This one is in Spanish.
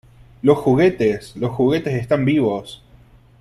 ¡ Los juguetes !¡ los juguetes están vivos !